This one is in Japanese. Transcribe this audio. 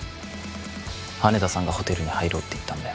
羽田さんがホテルに入ろうって言ったんだよ